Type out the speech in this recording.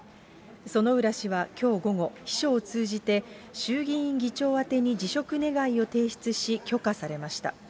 薗浦氏はきょう午後、秘書を通じて、衆議院議長宛てに辞職願を提出し、許可されました。